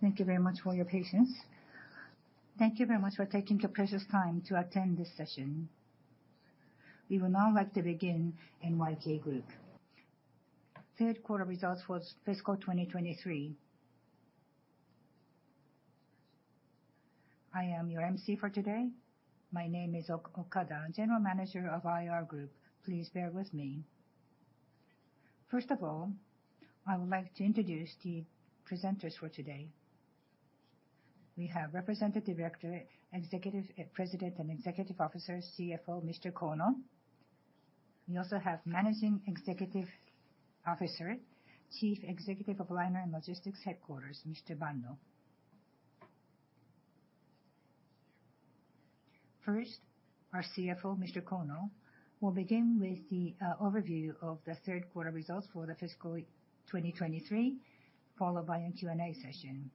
Thank you very much for your patience. Thank you very much for taking the precious time to attend this session. We would now like to begin NYK Group Third Quarter Results for Fiscal 2023. I am your emcee for today. My name is Okada, General Manager of IR Group. Please bear with me. First of all, I would like to introduce the presenters for today. We have Representative Director, Executive President and Executive Officer, CFO, Mr. Kono. We also have Managing Executive Officer, Chief Executive of Liner and Logistics Headquarters, Mr. Bando. First, our CFO, Mr. Kono, will begin with the overview of the third quarter results for the fiscal 2023, followed by a Q&A session.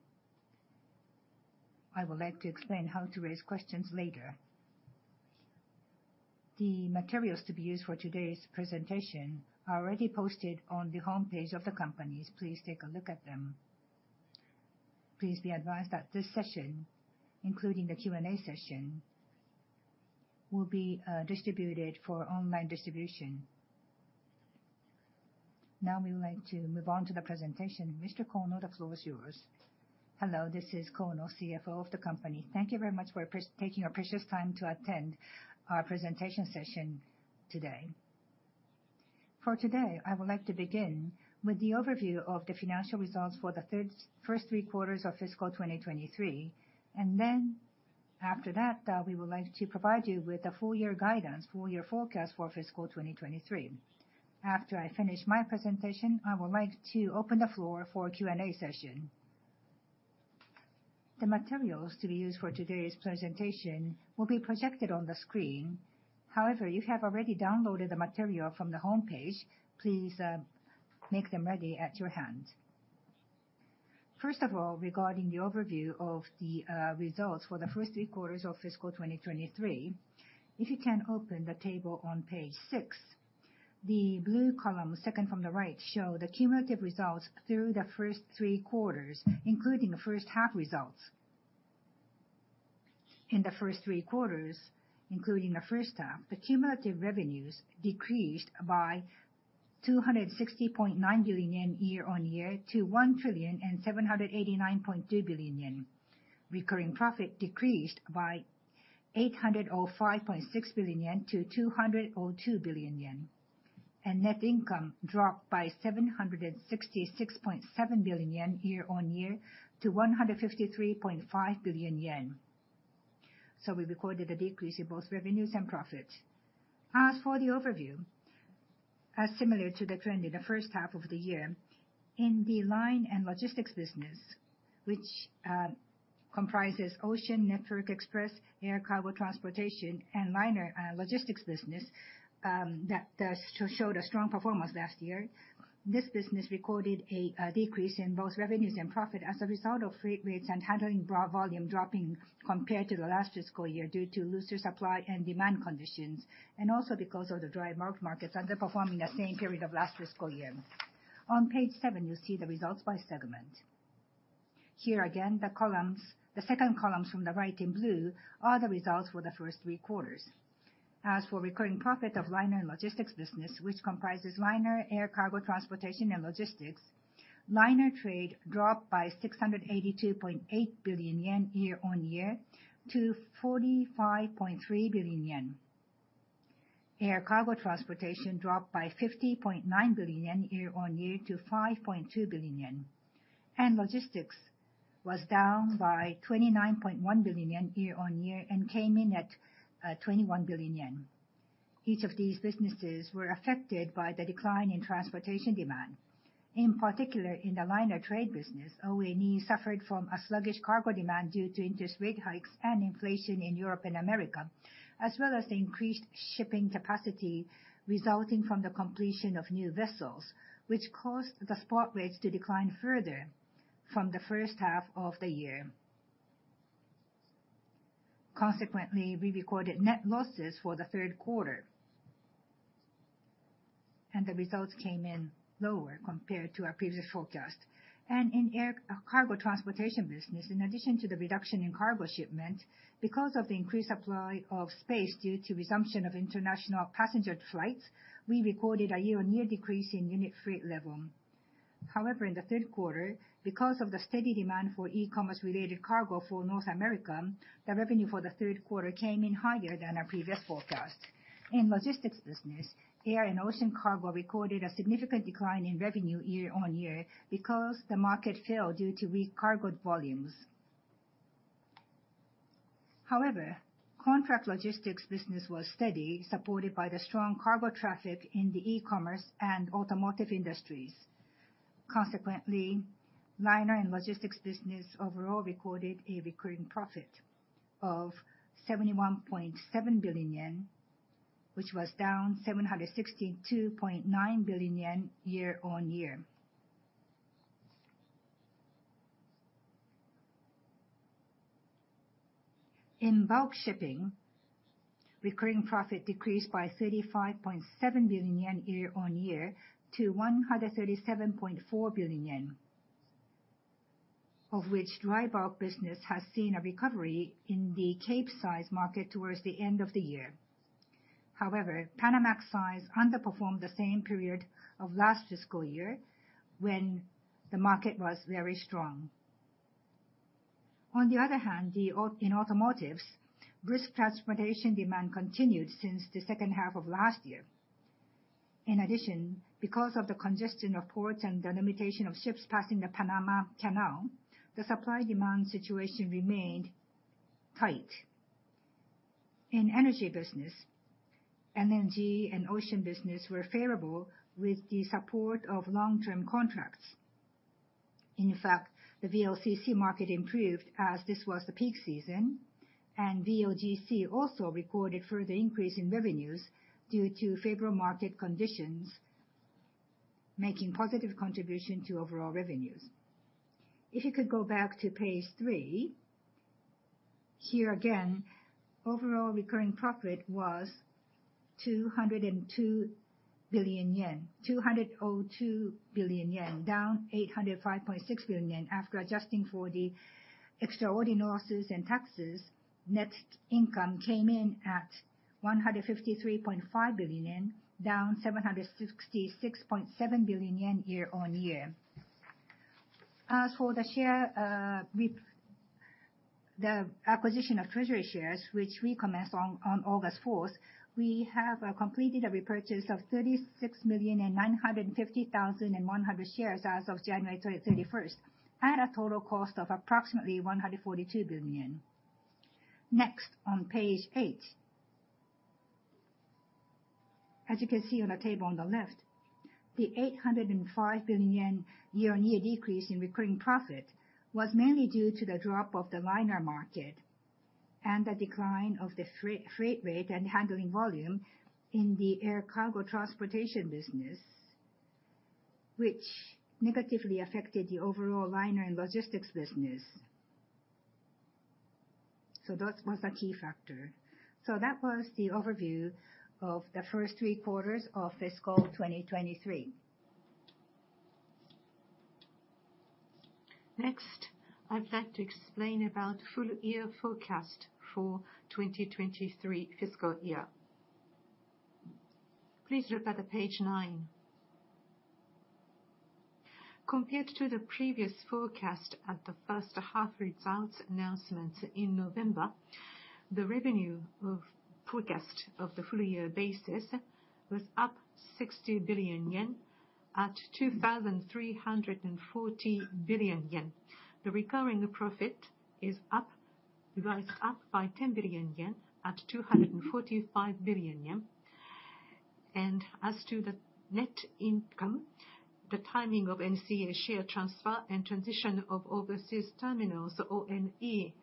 I would like to explain how to raise questions later. The materials to be used for today's presentation are already posted on the homepage of the companies. Please take a look at them. Please be advised that this session, including the Q&A session, will be distributed for online distribution. Now, we would like to move on to the presentation. Mr. Kono, the floor is yours. Hello, this is Kono, CFO of the company. Thank you very much for taking your precious time to attend our presentation session today. For today, I would like to begin with the overview of the financial results for the first three quarters of fiscal 2023, and then after that, we would like to provide you with a full year guidance, full year forecast for fiscal 2023. After I finish my presentation, I would like to open the floor for Q&A session. The materials to be used for today's presentation will be projected on the screen. However, you have already downloaded the material from the homepage. Please, make them ready at your hand. First of all, regarding the overview of the results for the first three quarters of fiscal 2023, if you can open the table on page six, the blue column, second from the right, show the cumulative results through the first three quarters, including the first half results. In the first three quarters, including the first half, the cumulative revenues decreased by 260.9 billion yen year-over-year to 1,789.2 billion yen. Recurring profit decreased by 805.6 billion yen to 202 billion yen. Net income dropped by 766.7 billion yen year-over-year to 153.5 billion yen. We recorded a decrease in both revenues and profit. As for the overview, similar to the trend in the first half of the year, in the liner and logistics business, which comprises Ocean Network Express, Air Cargo Transportation, and liner logistics business, that showed a strong performance last year. This business recorded a decrease in both revenues and profit as a result of freight rates and handling volume dropping compared to the last fiscal year, due to looser supply and demand conditions, and also because of the Dry Bulk markets underperforming the same period of last fiscal year. On page seven, you'll see the results by segment. Here again, the columns, the second columns from the right in blue, are the results for the first three quarters. As for recurring profit of liner and logistics business, which comprises liner, air cargo, transportation, and logistics, liner trade dropped by 682.8 billion yen year-on-year to 45.3 billion yen. Air cargo transportation dropped by 50.9 billion yen year-on-year to 5.2 billion yen. Logistics was down by 29.1 billion yen year-on-year and came in at 21 billion yen. Each of these businesses were affected by the decline in transportation demand. In particular, in the liner trade business, ONE suffered from a sluggish cargo demand due to interest rate hikes and inflation in Europe and America, as well as the increased shipping capacity resulting from the completion of new vessels, which caused the spot rates to decline further from the first half of the year. Consequently, we recorded net losses for the third quarter. The results came in lower compared to our previous forecast. In air cargo transportation business, in addition to the reduction in cargo shipment, because of the increased supply of space due to resumption of international passenger flights, we recorded a year-on-year decrease in unit freight level. However, in the third quarter, because of the steady demand for e-commerce related cargo for North America, the revenue for the third quarter came in higher than our previous forecast. In logistics business, air and ocean cargo recorded a significant decline in revenue year-on-year because the market fell due to re-cargoed volumes. However, contract logistics business was steady, supported by the strong cargo traffic in the e-commerce and automotive industries. Consequently, liner and logistics business overall recorded a recurring profit of 71.7 billion yen, which was down 762.9 billion yen year-on-year. In bulk shipping, recurring profit decreased by 35.7 billion yen year-on-year to 137.4 billion yen, of which dry bulk business has seen a recovery in the Capesize market towards the end of the year. However, Panamax size underperformed the same period of last fiscal year, when the market was very strong. On the other hand, the automotive, brisk transportation demand continued since the second half of last year. In addition, because of the congestion of ports and the limitation of ships passing the Panama Canal, the supply-demand situation remained tight. In energy business, LNG and ocean business were favorable with the support of long-term contracts. In fact, the VLCC market improved as this was the peak season, and VLGC also recorded further increase in revenues due to favorable market conditions, making positive contribution to overall revenues. If you could go back to page three. Here again, overall recurring profit was 202 billion yen, 202 billion yen, down 805.6 billion yen. After adjusting for the extraordinary losses and taxes, net income came in at 153.5 billion yen, down 766.7 billion yen year-on-year. As for the share, the acquisition of treasury shares, which we commenced on August 4, we have completed a repurchase of 36,950,100 shares as of January 31, at a total cost of approximately 142 billion. Next, on page eight. As you can see on the table on the left, the 805 billion yen year-on-year decrease in recurring profit was mainly due to the drop of the liner market and the decline of the freight rate and handling volume in the air cargo transportation business, which negatively affected the overall liner and logistics business. So that was a key factor. So that was the overview of the first three quarters of fiscal 2023. Next, I'd like to explain about full-year forecast for 2023 fiscal year. Please look at page nine. Compared to the previous forecast at the first half results announcement in November, the revenue forecast of the full-year basis was up 60 billion yen at 2,340 billion yen. The recurring profit is up, revised up by 10 billion yen at 245 billion yen. And as to the net income, the timing of NCA share transfer and transition of overseas terminals, ONE,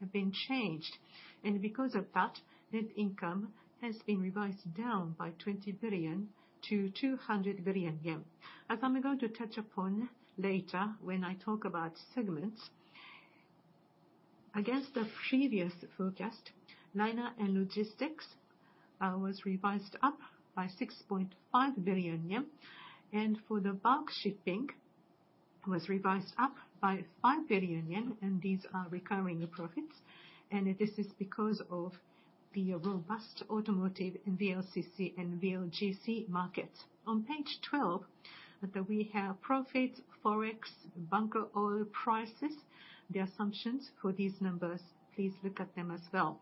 have been changed. And because of that, net income has been revised down by 20 billion to 200 billion yen. As I'm going to touch upon later when I talk about segments, against the previous forecast, Liner and Logistics was revised up by 6.5 billion yen, and for the Bulk Shipping was revised up by 5 billion yen, and these are recurring profits. And this is because of the robust automotive and VLCC and VLGC markets. On page 12, we have profits, Forex, bunker oil prices, the assumptions for these numbers. Please look at them as well.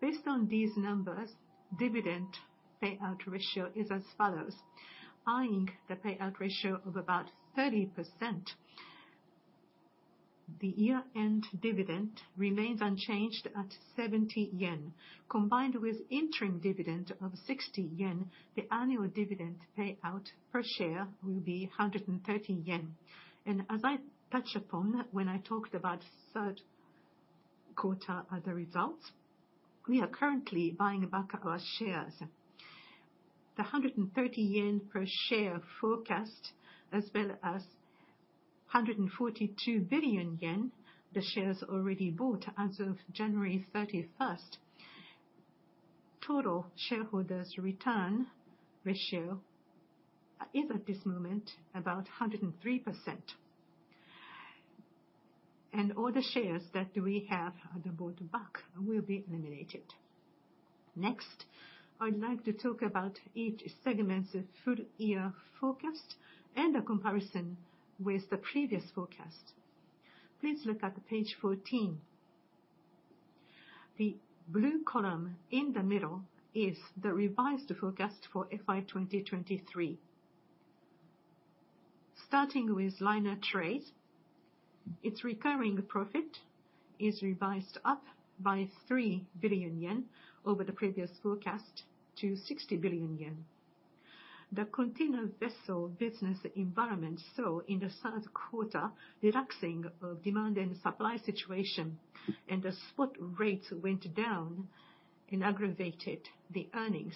Based on these numbers, dividend payout ratio is as follows: eyeing the payout ratio of about 30%, the year-end dividend remains unchanged at 70 yen. Combined with interim dividend of 60 yen, the annual dividend payout per share will be 130 yen. And as I touched upon when I talked about third quarter as a result, we are currently buying back our shares. The 130 yen per share forecast, as well as 142 billion yen, the shares already bought as of January 31st. Total shareholders' return ratio is, at this moment, about 103%. And all the shares that we have bought back will be eliminated. Next, I'd like to talk about each segment's full year forecast and a comparison with the previous forecast. Please look at page 14. The blue column in the middle is the revised forecast for FY 2023. Starting with Liner Trade, its recurring profit is revised up by 3 billion yen to 60 billion yen. The container vessel business environment saw in the third quarter, relaxing of demand and supply situation, and the spot rates went down and aggravated the earnings.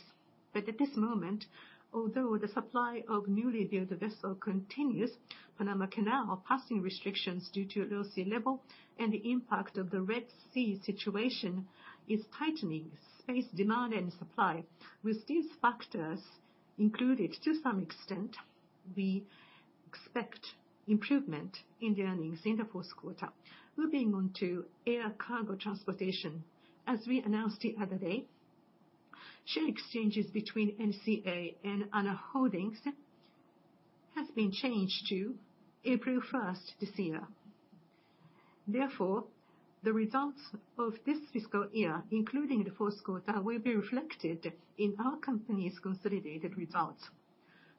But at this moment, although the supply of newly built vessel continues, Panama Canal passing restrictions due to low sea level and the impact of the Red Sea situation is tightening space demand and supply. With these factors included, to some extent, we expect improvement in the earnings in the fourth quarter. Moving on to air cargo transportation. As we announced the other day, share exchanges between NCA and ANA Holdings has been changed to April first this year. Therefore, the results of this fiscal year, including the fourth quarter, will be reflected in our company's consolidated results.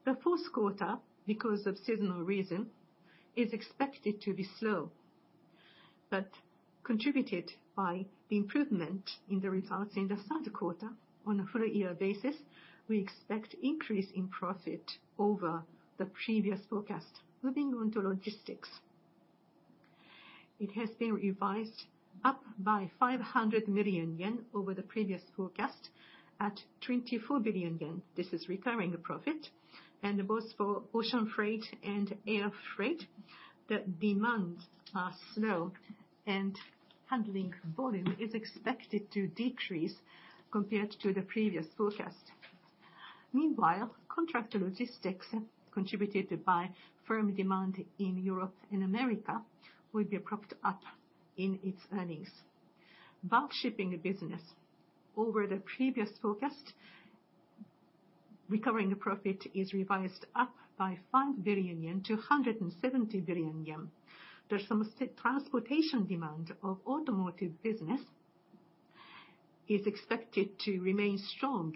The fourth quarter, because of seasonal reason, is expected to be slow, but contributed by the improvement in the results in the third quarter. On a full year basis, we expect increase in profit over the previous forecast. Moving on to logistics. It has been revised up by 500 million yen over the previous forecast, at 24 billion yen. This is recurring profit. Both for ocean freight and air freight, the demands are slow, and handling volume is expected to decrease compared to the previous forecast. Meanwhile, contract logistics, contributed by firm demand in Europe and America, will be propped up in its earnings. Bulk shipping business. Over the previous forecast, recovering profit is revised up by 5 billion yen to 170 billion yen. There's some transportation demand of automotive business is expected to remain strong,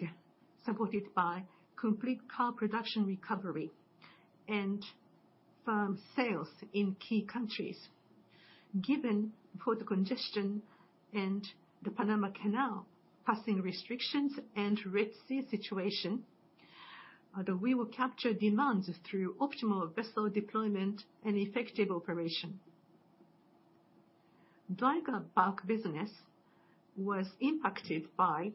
supported by complete car production recovery and firm sales in key countries. Given port congestion and the Panama Canal passing restrictions and Red Sea situation, we will capture demands through optimal vessel deployment and effective operation. Dry bulk business was impacted by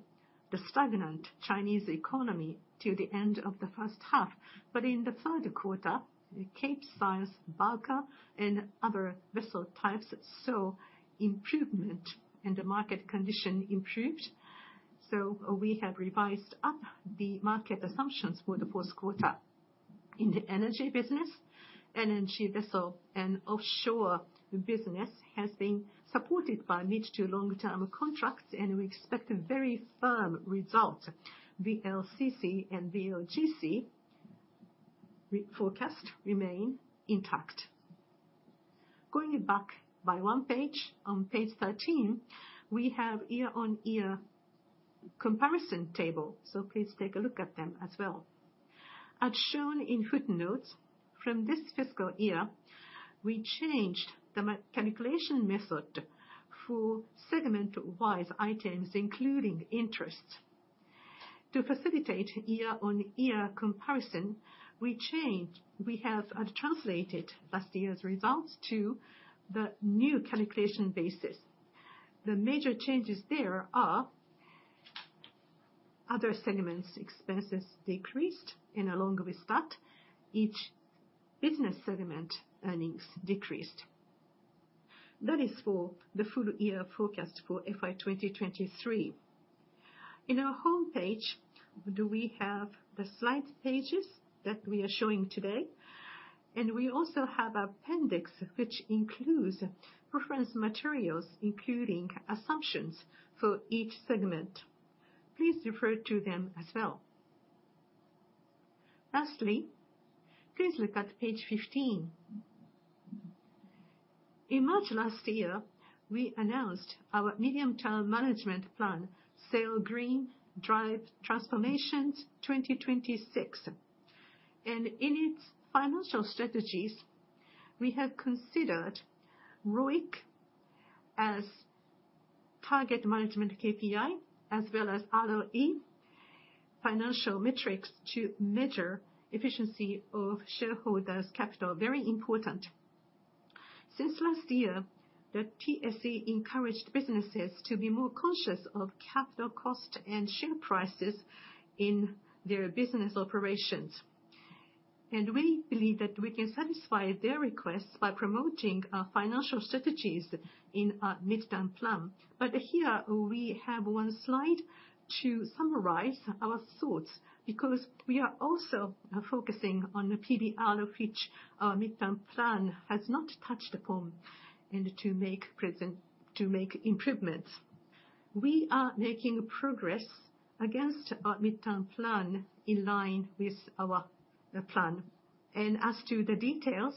the stagnant Chinese economy till the end of the first half, but in the third quarter, Capesize bulker and other vessel types saw improvement, and the market condition improved. So we have revised up the market assumptions for the fourth quarter. In the energy business, LNG vessel and offshore business has been supported by mid to long-term contracts, and we expect a very firm result. VLCC and VLGC re-forecast remain intact. Going back by one page, on page 13, we have year-on-year comparison table, so please take a look at them as well. As shown in footnotes, from this fiscal year, we changed the calculation method for segment-wise items, including interest. To facilitate year-on-year comparison, we changed. We have translated last year's results to the new calculation basis. The major changes there are: Other segments expenses decreased, and along with that, each business segment earnings decreased. That is for the full year forecast for FY 2023. In our home page, do we have the slide pages that we are showing today, and we also have appendix, which includes reference materials, including assumptions for each segment. Please refer to them as well. Lastly, please look at page 15. In March last year, we announced our medium-term management plan, Sail Green, Drive Transformations 2026. In its financial strategies, we have considered ROIC as target management KPI, as well as ROE financial metrics to measure efficiency of shareholders' capital. Very important. Since last year, the TSE encouraged businesses to be more conscious of capital cost and share prices in their business operations. We believe that we can satisfy their requests by promoting our financial strategies in our midterm plan. But here, we have one slide to summarize our thoughts, because we are also focusing on the PBR, of which our midterm plan has not touched upon, and to make improvements. We are making progress against our midterm plan, in line with our plan. And as to the details,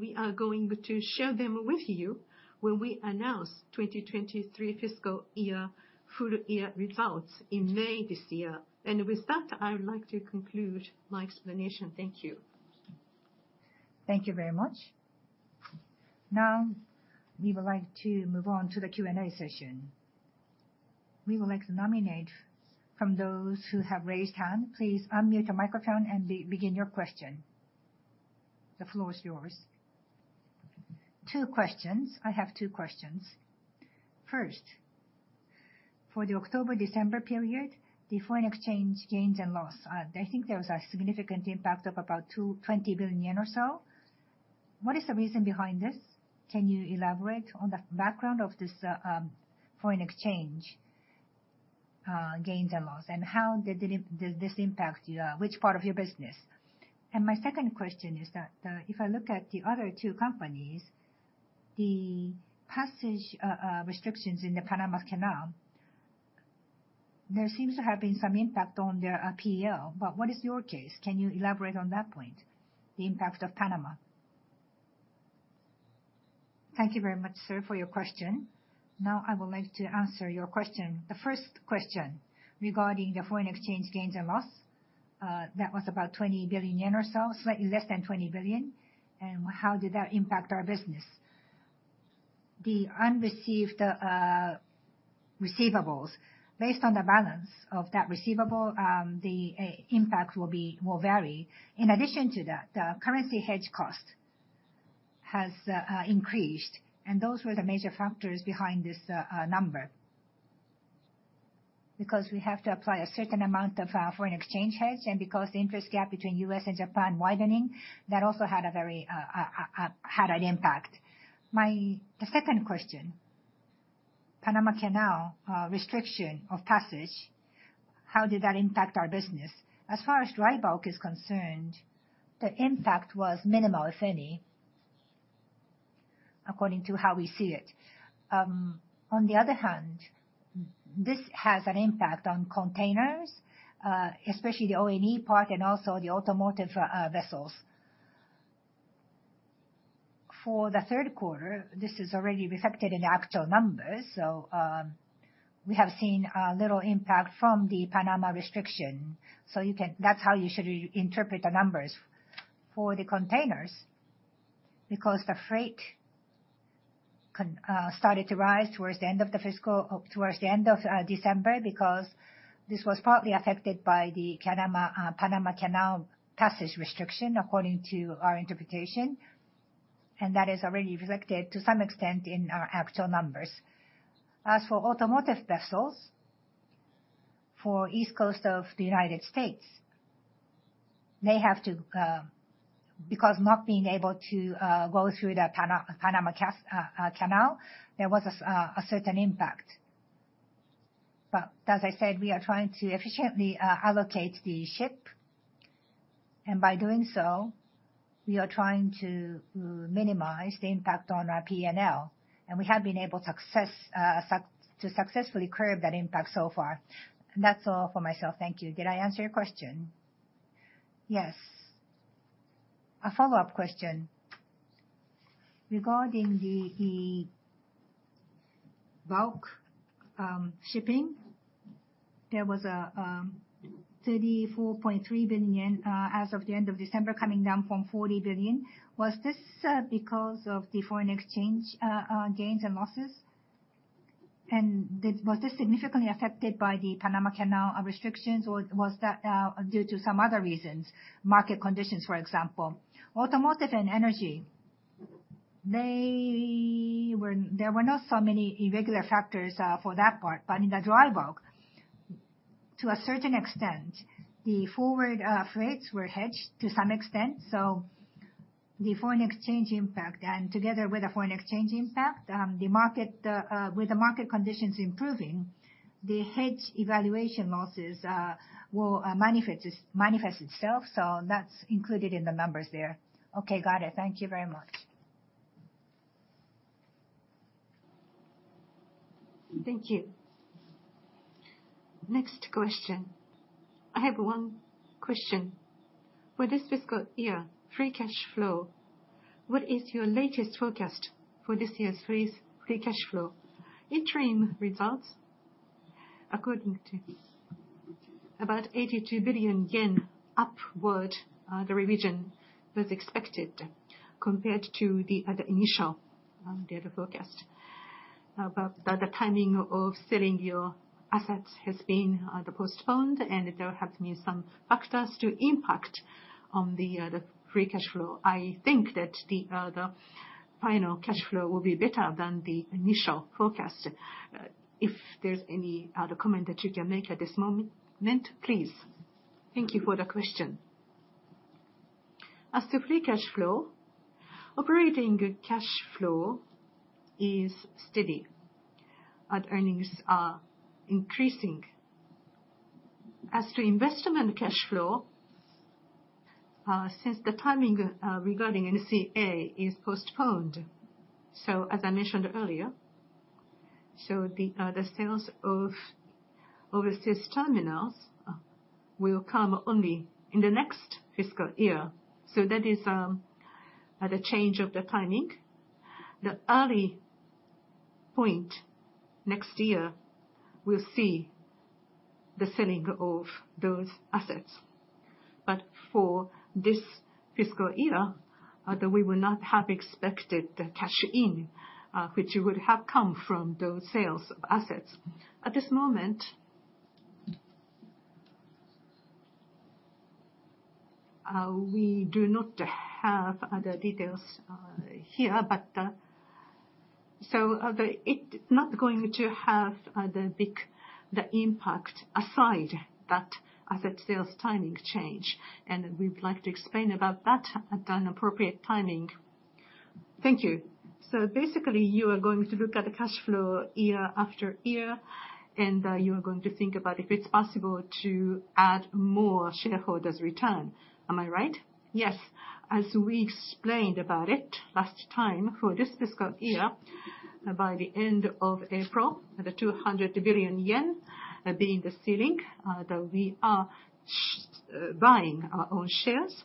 we are going to share them with you when we announce 2023 fiscal year full year results in May this year. And with that, I would like to conclude my explanation. Thank you. Thank you very much. Now, we would like to move on to the Q&A session. We would like to nominate from those who have raised hand. Please unmute your microphone and begin your question. The floor is yours. Two questions. I have two questions. First, for the October-December period, the foreign exchange gains and loss, I think there was a significant impact of about 20 billion yen or so. What is the reason behind this? Can you elaborate on the background of this, foreign exchange gains and loss, and how does this impact your, which part of your business? My second question is that, if I look at the other two companies, the passage restrictions in the Panama Canal, there seems to have been some impact on their PL. But what is your case? Can you elaborate on that point, the impact of Panama? Thank you very much, sir, for your question. Now I would like to answer your question. The first question, regarding the foreign exchange gains and loss, that was about 20 billion yen or so, slightly less than 20 billion, and how did that impact our business? The unrealized receivables, based on the balance of that receivable, the impact will be, will vary. In addition to that, the currency hedge cost has increased, and those were the major factors behind this number. Because we have to apply a certain amount of foreign exchange hedge, and because the interest gap between U.S. and Japan widening, that also had a very had an impact. The second question, Panama Canal restriction of passage, how did that impact our business? As far as Dry Bulk is concerned, the impact was minimal, if any, according to how we see it. On the other hand, this has an impact on containers, especially the ONE part and also the automotive vessels. For the third quarter, this is already reflected in the actual numbers, so we have seen a little impact from the Panama restriction. That's how you should reinterpret the numbers. For the containers, because the freight started to rise towards the end of the fiscal, towards the end of December, because this was partly affected by the Panama Canal passage restriction, according to our interpretation, and that is already reflected to some extent in our actual numbers. As for automotive vessels, for East Coast of the United States, they have to, because not being able to go through the Panama Canal, there was a certain impact. But as I said, we are trying to efficiently allocate the ship, and by doing so, we are trying to minimize the impact on our PNL, and we have been able to successfully curb that impact so far. And that's all for myself. Thank you. Did I answer your question? Yes. A follow-up question. Regarding the bulk shipping, there was a 34.3 billion as of the end of December, coming down from 40 billion. Was this because of the foreign exchange gains and losses? Did this significantly affected by the Panama Canal restrictions, or was that due to some other reasons, market conditions, for example? Automotive and energy, they were, there were not so many irregular factors for that part. But in the dry bulk, to a certain extent, the forward freights were hedged to some extent, so the foreign exchange impact, and together with the foreign exchange impact, the market with the market conditions improving, the hedge evaluation losses will manifest itself. So that's included in the numbers there. Okay. Got it. Thank you very much. Thank you. Next question. I have one question. For this fiscal year, free cash flow, what is your latest forecast for this year's free, free cash flow? Interim results, according to 82 billion yen upward, the revision was expected compared to the initial data forecast. But the timing of selling your assets has been postponed, and there have been some factors to impact on the free cash flow. I think that the final cash flow will be better than the initial forecast. If there's any other comment that you can make at this moment, please. Thank you for the question. As to free cash flow, operating cash flow is steady, and earnings are increasing. As to investment cash flow, since the timing regarding NCA is postponed, so as I mentioned earlier, the sales of overseas terminals will come only in the next fiscal year. So that is the change of the timing. The early point next year, we'll see the selling of those assets. But for this fiscal year, we will not have expected the cash in, which would have come from those sales of assets. At this moment, we do not have the details here, but it not going to have the big impact aside that asset sales timing change, and we would like to explain about that at an appropriate timing. Thank you. So basically, you are going to look at the cash flow year after year, and you are going to think about if it's possible to add more shareholders' return. Am I right? Yes. As we explained about it last time, for this fiscal year, by the end of April, the 200 billion yen being the ceiling, that we are buying our own shares.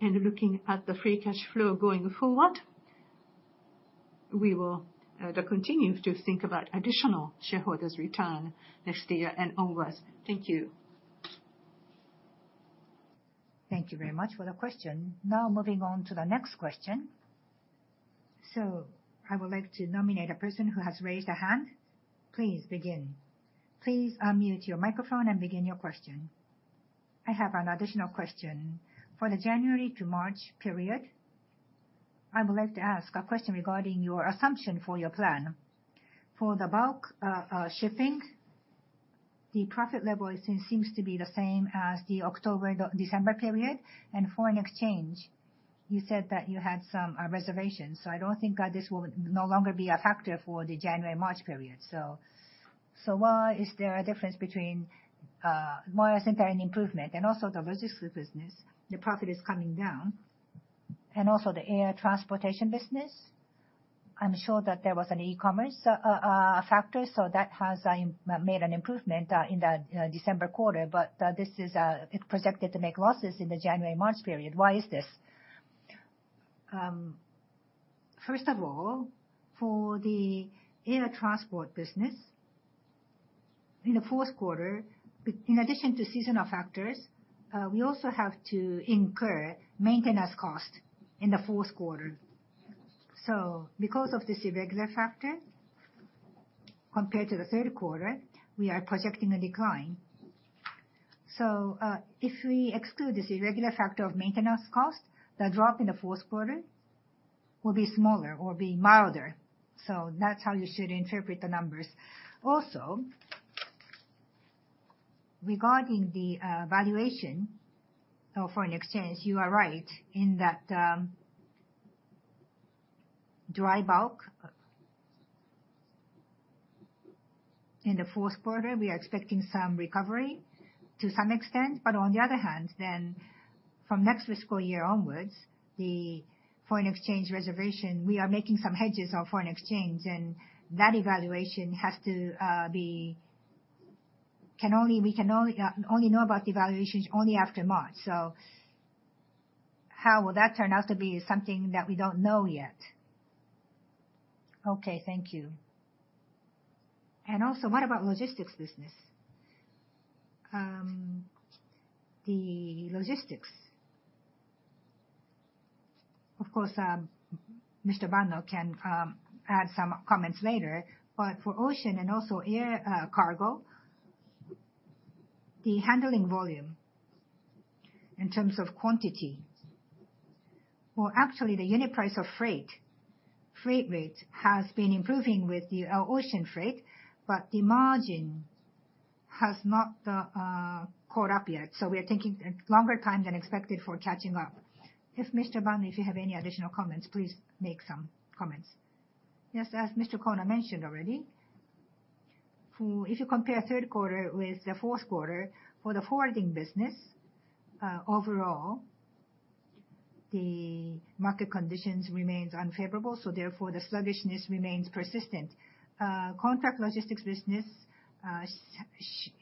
And looking at the free cash flow going forward, we will continue to think about additional shareholders' return next year and onwards. Thank you. Thank you very much for the question. Now moving on to the next question. So, I would like to nominate a person who has raised a hand. Please begin. Please unmute your microphone and begin your question. I have an additional question. For the January to March period, I would like to ask a question regarding your assumption for your plan. For the bulk shipping, the profit level it seems to be the same as the October to December period, and foreign exchange, you said that you had some reservations, so I don't think this will no longer be a factor for the January-March period. So why is there a difference between why isn't there an improvement? And also, the logistics business, the profit is coming down, and also the air transportation business. I'm sure that there was an e-commerce factor, so that has made an improvement in the December quarter, but this is projected to make losses in the January-March period. Why is this? First of all, for the air transport business, in the fourth quarter, in addition to seasonal factors, we also have to incur maintenance cost in the fourth quarter. So because of this irregular factor, compared to the third quarter, we are projecting a decline. So, if we exclude this irregular factor of maintenance cost, the drop in the fourth quarter will be smaller or be milder. So that's how you should interpret the numbers. Also, regarding the valuation of foreign exchange, you are right in that, dry bulk, in the fourth quarter, we are expecting some recovery to some extent. But on the other hand, then from next fiscal year onwards, the foreign exchange reservation, we are making some hedges on foreign exchange, and that evaluation has to be. We can only know about the evaluations only after March. So how will that turn out to be is something that we don't know yet. Okay, thank you. And also, what about logistics business? The logistics. Of course, Mr. Bando can add some comments later, but for ocean and also air cargo, the handling volume in terms of quantity, well, actually, the unit price of freight, freight rate, has been improving with the ocean freight, but the margin has not caught up yet. So we are taking a longer time than expected for catching up. If Mr. Bando, if you have any additional comments, please make some comments. Yes, as Mr. Kono mentioned already, if you compare third quarter with the fourth quarter, for the forwarding business, overall, the market conditions remains unfavorable, so therefore, the sluggishness remains persistent. Contract logistics business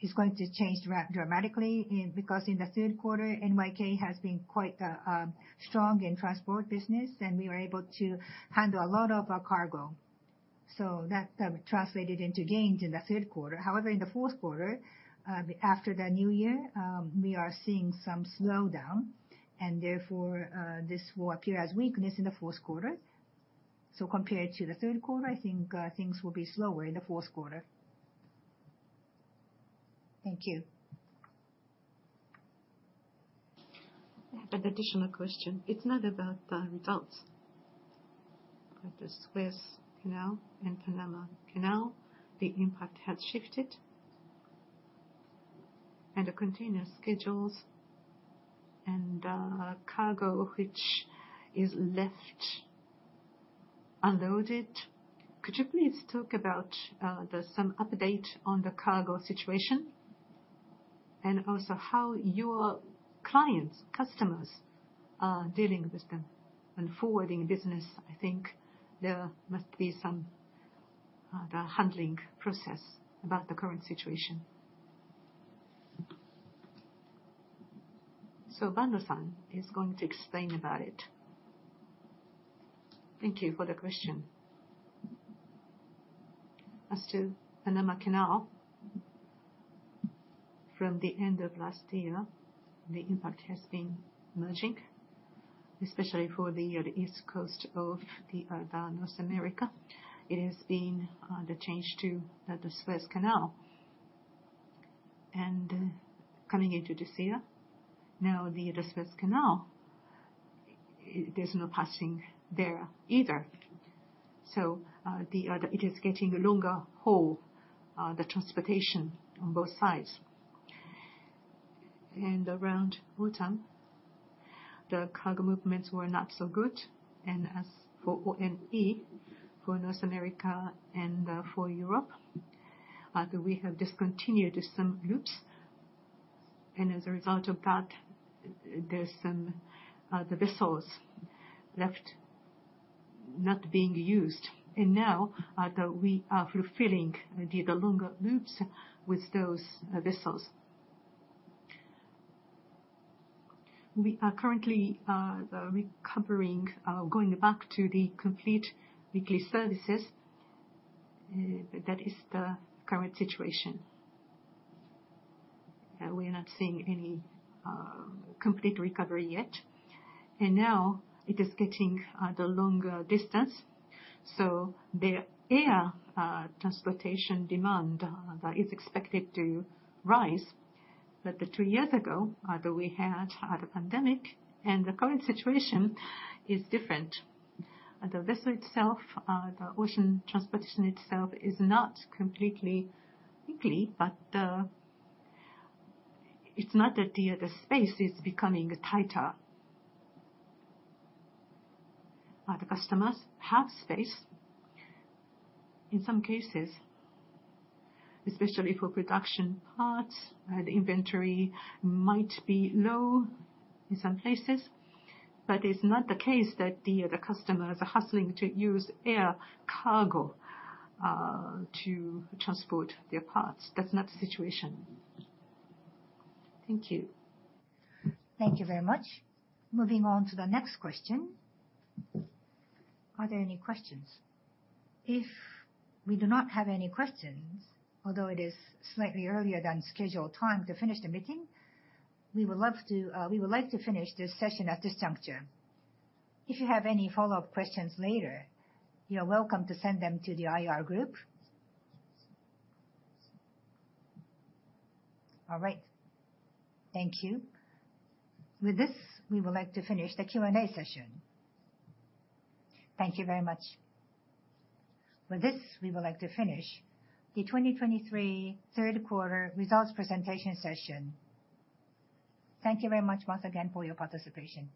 is going to change dramatically, because in the third quarter, NYK has been quite strong in transport business, and we were able to handle a lot of cargo. So that translated into gains in the third quarter. However, in the fourth quarter, after the new year, we are seeing some slowdown, and therefore, this will appear as weakness in the fourth quarter. So compared to the third quarter, I think, things will be slower in the fourth quarter. Thank you. I have an additional question. It's not about the results. But the Suez Canal and Panama Canal, the impact has shifted, and the container schedules and cargo which is left unloaded. Could you please talk about the some update on the cargo situation? And also, how your clients, customers, are dealing with them. In forwarding business, I think there must be some the handling process about the current situation. So Bando-san is going to explain about it. Thank you for the question. As to Panama Canal, from the end of last year, the impact has been emerging. Especially for the East Coast of North America, it has been the change to the Suez Canal. And coming into this year, now the Suez Canal, there's no passing there either. So, it is getting longer haul the transportation on both sides. And around autumn, the cargo movements were not so good, and as for ONE, for North America and for Europe, we have discontinued some loops. And as a result of that, there's some vessels left not being used. And now, we are fulfilling the longer loops with those vessels. We are currently recovering, going back to the complete weekly services, but that is the current situation. We are not seeing any complete recovery yet, and now it is getting the longer distance, so the air transportation demand is expected to rise. But the two years ago, we had had a pandemic, and the current situation is different. The vessel itself, the ocean transportation itself is not completely weak, but it's not that the space is becoming tighter. The customers have space. In some cases, especially for production parts, the inventory might be low in some places, but it's not the case that the customers are hustling to use air cargo to transport their parts. That's not the situation. Thank you. Thank you very much. Moving on to the next question. Are there any questions? If we do not have any questions, although it is slightly earlier than scheduled time to finish the meeting, we would love to, we would like to finish this session at this juncture. If you have any follow-up questions later, you are welcome to send them to the IR group. All right, thank you. With this, we would like to finish the Q&A session. Thank you very much. With this, we would like to finish the 2023 third quarter results presentation session. Thank you very much once again for your participation.